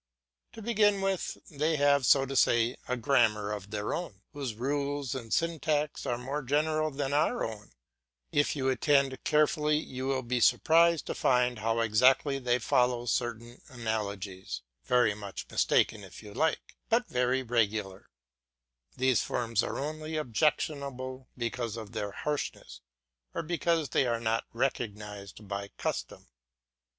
To begin with, they have, so to say, a grammar of their own, whose rules and syntax are more general than our own; if you attend carefully you will be surprised to find how exactly they follow certain analogies, very much mistaken if you like, but very regular; these forms are only objectionable because of their harshness or because they are not recognised by custom.